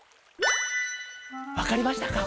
わかりましたか？